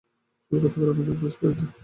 চোর কোথাকার, আমার ব্রোচ ফেরত দে।